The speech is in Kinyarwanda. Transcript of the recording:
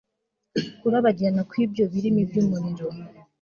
Kurabagirana kwibyo birimi byumuriro